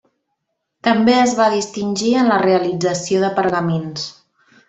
També es va distingir en la realització de pergamins.